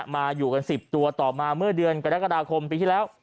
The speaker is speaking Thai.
มาอยู่กัน๑๐ตัวต่อมาเมื่อเดือนกรกฎาคมปีที่แล้ว